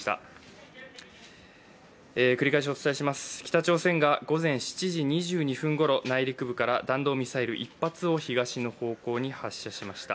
北朝鮮が午前７時２２分ごろ、内陸部から弾道ミサイル１発を東の方向に発射しました。